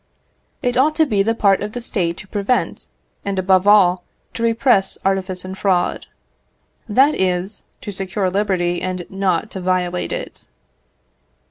It ought to be the part of the State to prevent, and, above all, to repress artifice and fraud; that is, to secure liberty, and not to violate it.